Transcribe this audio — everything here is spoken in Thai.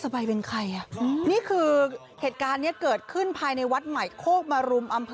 สบายเป็นใครยอดนี้คือเหตุการณ์เนี่ยเกิดขึ้นภายในวัดใหม่โคกบรรลุม